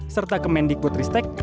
serta kemendik putristek